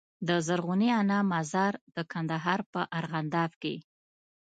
د زرغونې انا مزار د کندهار په ارغنداب کي